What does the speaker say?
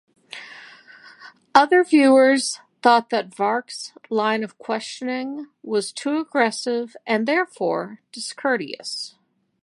Other viewers thought that Wark's line of questioning was too aggressive and therefore discourteous.